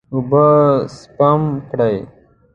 اوبه سپم کړئ.